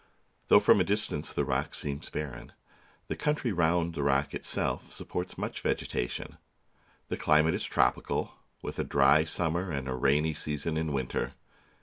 Though from a distance the rock seems bar ren, the country round about the rock itself sup ports much vegetation. The climate is tropical, with a dry summer and a rainy season in winter.